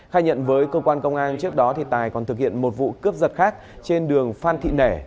khai nhận với cơ quan công an trước đó thì tài còn thực hiện một vụ cướp giật khác trên đường phan thị nẻ